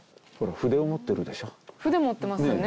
筆持ってますね。